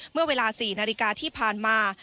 เมื่อเวลา๔นาฬิกาที่ผ่านมา